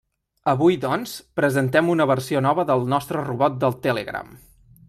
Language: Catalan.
Avui, doncs, presentem una versió nova del nostre robot del Telegram.